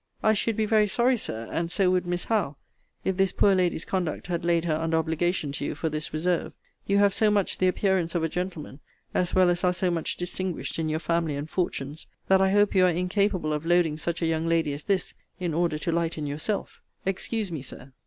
I should be very sorry, Sir, and so would Miss Howe, if this poor lady's conduct had laid her under obligation to you for this reserve. You have so much the appearance of a gentleman, as well as are so much distinguished in your family and fortunes, that I hope you are incapable of loading such a young lady as this, in order to lighten yourself Excuse me, Sir.